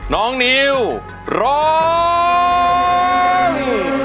น้องนิวร้อง